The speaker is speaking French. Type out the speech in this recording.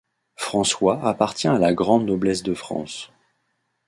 François appartient à la grande noblesse de France.